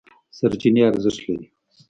سرچینې ارزښت لري.